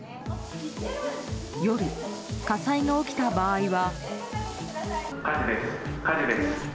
夜、火災が起きた場合は。